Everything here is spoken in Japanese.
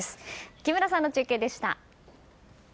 木村さんの中継でした。